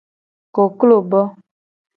Koklo bo.